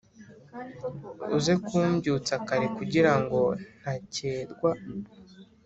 uze kumbyutsa kare kugirango ntakerwa